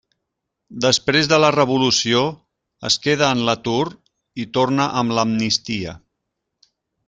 Després de la revolució es queda en l'atur i torna amb l'amnistia.